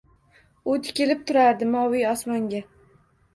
U tikilib turardi moviy osmonga.